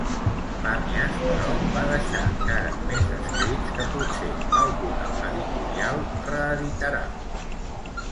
Pàmies, però, va deixar encara més escrits que potser alguna editorial reeditarà.